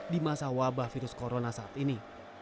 di masa wabah virus corona saat ini